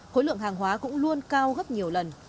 khối lượng hàng hóa cũng luôn cao gấp nhiều lần